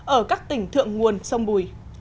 ở các tỉnh thượng nguồn sông bùi